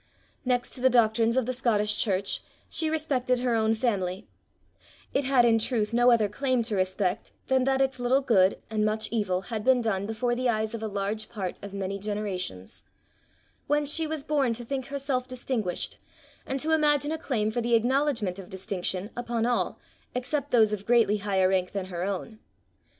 Next to the doctrines of the Scottish church, she respected her own family: it had in truth no other claim to respect than that its little good and much evil had been done before the eyes of a large part of many generations whence she was born to think herself distinguished, and to imagine a claim for the acknowledgment of distinction upon all except those of greatly higher rank than her own.